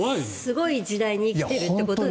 すごい時代に生きてるってことですね。